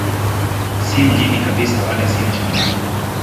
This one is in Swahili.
Si mjini kabisa wala si mashambani.